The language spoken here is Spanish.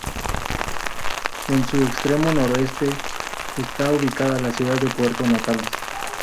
En su extremo noreste está ubicada la ciudad de Puerto Natales.